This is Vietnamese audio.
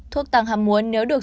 thuốc tăng hàm muôn nếu được